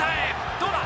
どうだ？